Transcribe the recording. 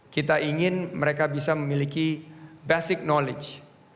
kita ingin mereka bisa memiliki basic knowledge